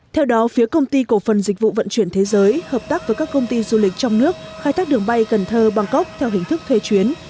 theo đó phía công ty cổ phần dịch vụ vận chuyển thế giới hợp tác với các công ty du lịch trong nước khai thác đường bay cần thơ bangkok theo hình thức thuê chuyến